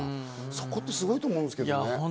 そこってすごいと思うんですけどね。